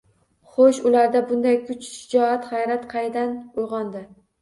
Xoʻsh, ularda bunday kuch, shijoat, gʻayrat qanday uygʻondi?